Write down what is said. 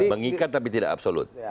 mengikat tapi tidak absolut